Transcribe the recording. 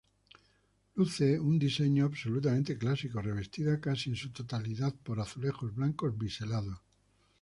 Luce un diseño absolutamente clásico, revestida casi en su totalidad por azulejos blancos biselados.